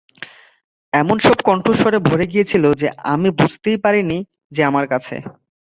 এমন সব কণ্ঠস্বরে ভরে গিয়েছিল যে আমি বুঝতেই পারিনি যে আমার আছে।